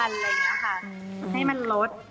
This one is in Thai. อย่างงี้นะคะให้มันลด